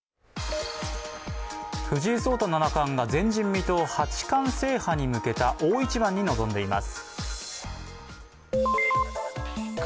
藤井聡太七冠が前人未踏八冠制覇に向けた大一番に臨んでいます。